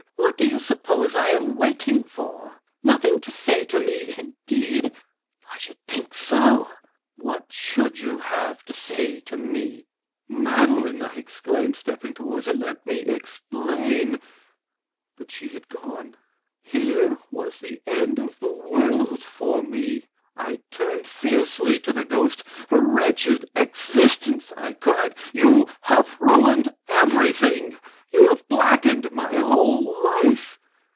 "What do you suppose I am waiting for? Nothing to say to me indeed! I should think so! What should you have to say to me?" "Madeline!" I exclaimed, stepping toward her, "let me explain." But she had gone. Here was the end of the world for me! I turned fiercely to the ghost. "Wretched existence!" I cried. "You have ruined everything. You have blackened my whole life.